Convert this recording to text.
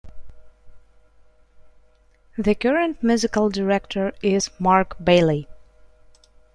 The current musical director is Mark Bailey.